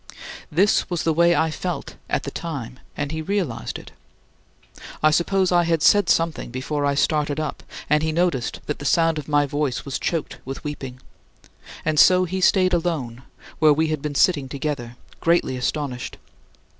This was the way I felt at the time, and he realized it. I suppose I had said something before I started up and he noticed that the sound of my voice was choked with weeping. And so he stayed alone, where we had been sitting together, greatly astonished.